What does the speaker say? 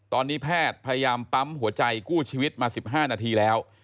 ตอนนี้แพทย์พยายามปั๊มหัวใจกู้ชีวิตมา๑๕นาทีแล้ว